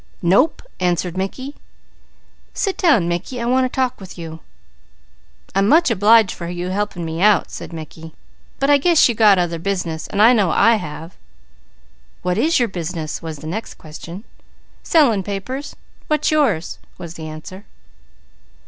"Nope!" answered Mickey. "Sit down, Mickey, I want to talk with you." "I'm much obliged for helping me out," said Mickey, "but I guess you got other business, and I know I have." "What is your business?" was the next question. "Selling papers. What's yours?" was the answer.